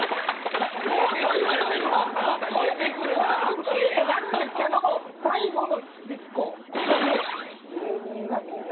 ムキー！ってなるんですけども最後の１個ここに。